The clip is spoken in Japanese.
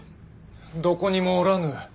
どこにもおらぬ。